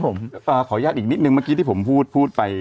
ผมขออนุญาตอีกนิดนึงเมื่อกี้ที่ผมพูดไป